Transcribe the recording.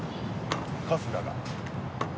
春日が。